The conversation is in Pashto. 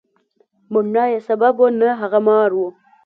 مڼه یې سبب وه، نه هغه مار و.